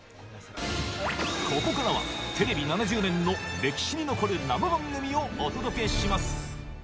ここからは、テレビ７０年の歴史に残る生番組をお届けします。